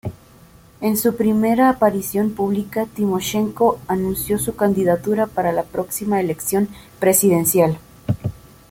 En su primera aparición pública Timoshenko anunció su candidatura para la próxima elección presidencial.